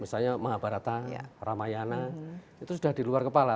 misalnya mahabharata ramayana itu sudah di luar kepala